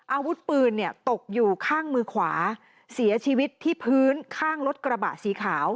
อาวุธปืนเนี่ยตกอยู่ข้างมือขวาเสียชีวิตที่พื้นข้างรถกระบะสีขาว